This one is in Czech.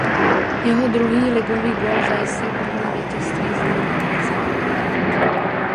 Jeho druhý ligový gól zajistil první vítězství Zlína v lize.